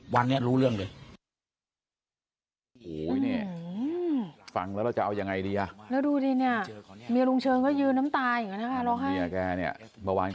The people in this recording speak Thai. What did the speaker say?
๑๐วันเนี่ยรู้เรื่องเลย